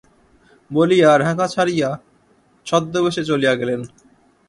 বলিয়া ঢাকা ছাড়িয়া ছদ্মবেশে চলিয়া গেলেন।